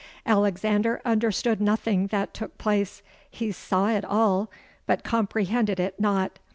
Alexander understood nothing that took place. He saw it all—but comprehended it not.